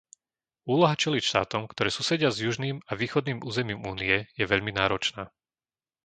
Úloha čeliť štátom, ktoré susedia s južným a východným územím Únie, je veľmi náročná.